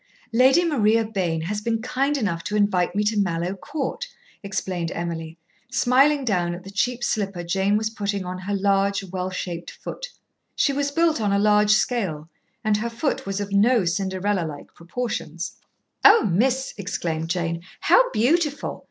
"Lady Maria Bayne has been kind enough to invite me to Mallowe Court," explained Emily, smiling down at the cheap slipper Jane was putting on her large, well shaped foot. She was built on a large scale, and her foot was of no Cinderella like proportions. "O miss!" exclaimed Jane. "How beautiful!